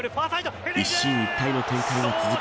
一進一退の展開が続く